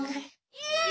イエイ！